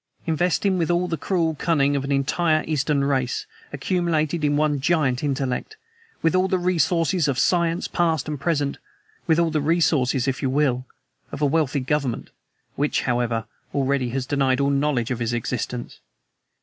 Invest him with all the cruel cunning of an entire Eastern race, accumulated in one giant intellect, with all the resources of science past and present, with all the resources, if you will, of a wealthy government which, however, already has denied all knowledge of his existence.